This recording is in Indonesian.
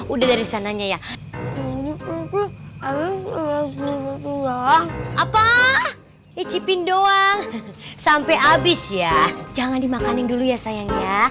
udah dari sananya ya apa icipin doang sampai habis ya jangan dimakanin dulu ya sayangnya